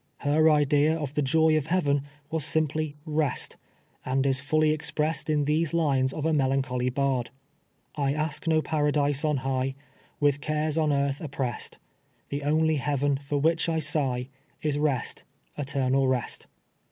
Her idea of the joy of heaven was simply rest, and is fully expressed in these lines of a melancholy bard :" I ask no paradise on high, With cares on earth oppressed, The only heaven for which I sigh, Is rest, eternal rest."